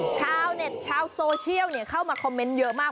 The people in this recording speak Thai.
ชาวเน็ตชาวโซเชียลเข้ามาคอมเมนต์เยอะมาก